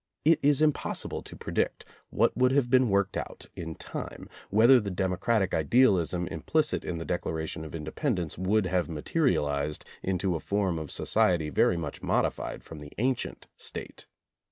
It is impossible to predict what would have been worked out in time, whether the democratic idealism implicit in the Declaration of Independ ence would have materialized into a form of so ciety very much modified from the ancient State.